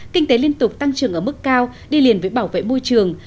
kinh tế liên tục tăng trưởng ở mức cao đi liền với bảo vệ môi trường